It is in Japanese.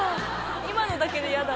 今のだけでヤダ